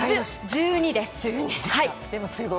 １２です。